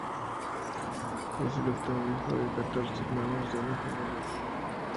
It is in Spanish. Es el octavo hijo de catorce hermanos de una familia humilde.